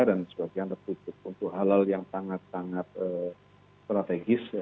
dan sebagian tertutup untuk halal yang sangat sangat strategis